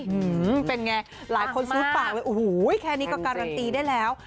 หือเป็นไงหลายคนซูดปากเลยโอ้โหแค่นี้ก็การันตีได้แล้ว